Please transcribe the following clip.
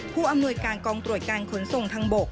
ผู้อำนวยการกองตรวจการขนส่งทางบก